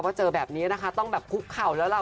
ว่าเจอแบบนี้ต้องแบบคุกเข่าแล้วละ